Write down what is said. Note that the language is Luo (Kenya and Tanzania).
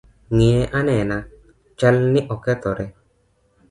Ng’iye anena, chalni okethore.